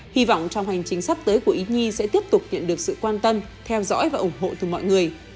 hy vọng trong hành trình sắp tới của ý nhi sẽ tiếp tục nhận được sự quan tâm theo dõi và ủng hộ từ mọi người